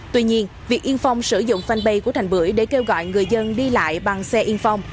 tuy nhiên việc yên phong sử dụng fanpage của thành bưởi để kêu gọi người dân đi lại bằng xe yên phong